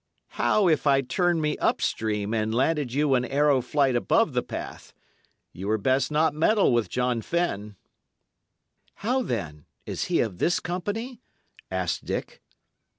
How if I turned me up stream and landed you an arrow flight above the path? Ye were best not meddle with John Fenne." "How, then? is he of this company?" asked Dick.